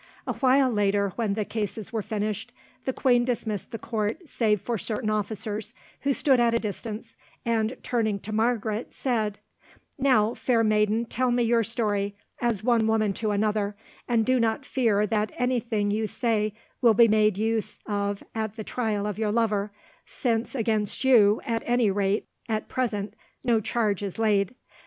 A while later, when the cases were finished, the queen dismissed the court save for certain officers, who stood at a distance, and, turning to Margaret, said: "Now, fair maiden, tell me your story, as one woman to another, and do not fear that anything you say will be made use of at the trial of your lover, since against you, at any rate at present, no charge is laid.